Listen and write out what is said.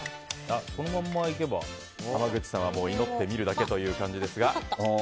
濱口さんは祈って見るだけという感じですが。